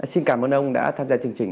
xin cảm ơn ông đã tham gia chương trình